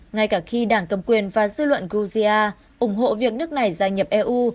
ngay cả khi đảng cầm quyền và dư luận georgia ủng hộ việc nước này gia nhập eu